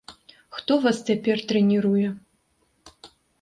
Хто вас цяпер трэніруе?